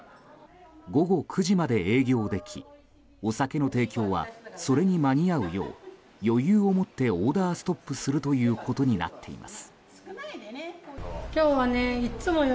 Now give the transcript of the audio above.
午後９時まで営業できお酒の提供はそれに間に合うよう余裕をもってオーダーストップするということになっています。